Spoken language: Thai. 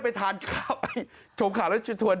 ภาษาแรกที่สุดท้าย